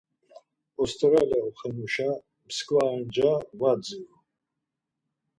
Osterale oxenuşe mskva ar nca var adziru.